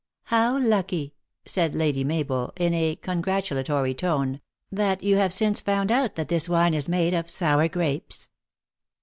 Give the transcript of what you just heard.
; How lucky," said Lady Mabel, in a congratula tory tone, " that you have since found out that this wine is made of sour grapes."